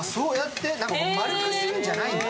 丸くするんじゃないんだ。